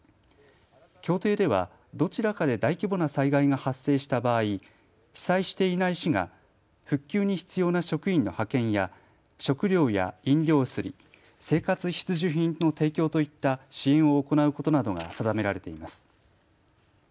協定では、どちらかで大規模な災害が発生した場合、被災していない市が復旧に必要な職員の派遣や食料や飲料水、生活必需品の提供といった支援を行うことなどが定められています。